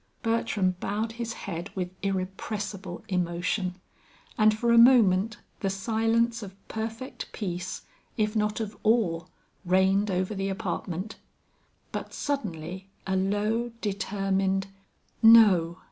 Bertram bowed his head with irrepressible emotion, and for a moment the silence of perfect peace if not of awe, reigned over the apartment; but suddenly a low, determined "No!"